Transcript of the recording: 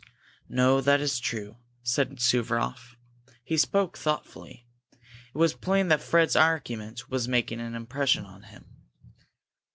"No, that is true," said Suvaroff. He spoke thoughtfully. It was plain that Fred's argument was making an impression on him.